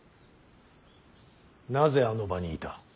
なぜあの場にいた。